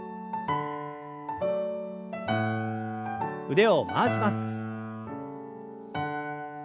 腕を回します。